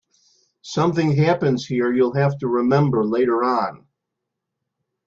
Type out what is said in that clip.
Something happens here you'll have to remember later on.